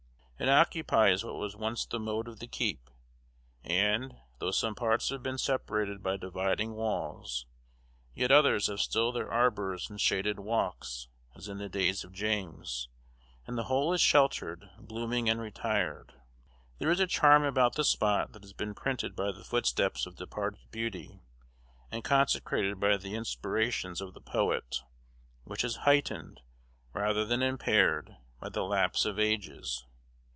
It occupies what was once the moat of the keep; and, though some parts have been separated by dividing walls, yet others have still their arbors and shaded walks, as in the days of James, and the whole is sheltered, blooming, and retired. There is a charm about the spot that has been printed by the footsteps of departed beauty, and consecrated by the inspirations of the poet, which is heightened, rather than impaired, by the lapse of ages.